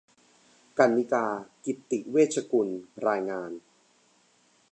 กรรณิการ์ กิจติเวชกุล รายงาน